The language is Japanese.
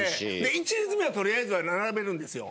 １列目はとりあえずは並べるんですよ。